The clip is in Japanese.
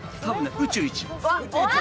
宇宙一。